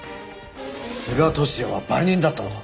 須賀都志也は売人だったのか。